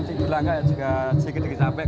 dibilang kayak juga sedikit sedikit capek